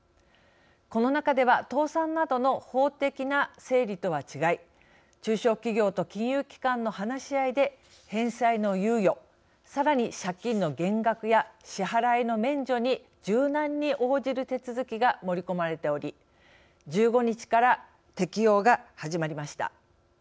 この中では倒産などの法的な整理とは違い中小企業と金融機関の話し合いで返済の猶予さらに借金の減額や支払いの免除に柔軟に応じる手続きが盛り込まれており１５日から適用が始まりました。